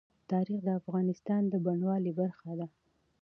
تاریخ د افغانستان د بڼوالۍ برخه ده.